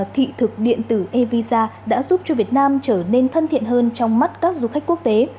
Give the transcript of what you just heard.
thị thực điện tử e visa đã giúp cho việt nam trở nên thân thiện hơn trong mắt các du khách quốc tế